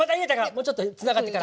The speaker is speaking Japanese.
もうちょっとつながってから。